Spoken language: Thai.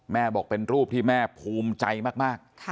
บอกเป็นรูปที่แม่ภูมิใจมาก